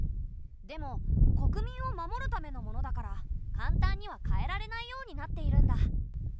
でも国民を守るためのものだから簡単には変えられないようになっているんだ。